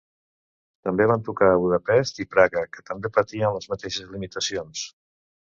També van tocar a Budapest i Praga que també patien les mateixes limitacions.